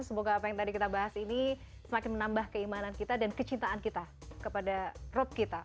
semoga apa yang tadi kita bahas ini semakin menambah keimanan kita dan kecintaan kita kepada rob kita